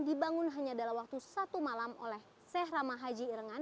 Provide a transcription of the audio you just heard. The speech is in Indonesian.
dibangun hanya dalam waktu satu malam oleh sehrama haji irengan